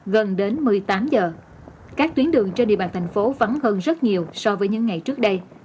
gần đến một mươi tám giờ các tuyến đường trên địa bàn thành phố vắng hơn rất nhiều so với những ngày trước đây